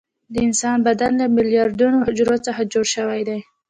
د انسان بدن له میلیارډونو حجرو څخه جوړ شوی دی